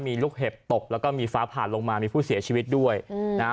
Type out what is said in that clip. มีลูกเห็บตกแล้วก็มีฟ้าผ่านลงมามีผู้เสียชีวิตด้วยอืมนะฮะ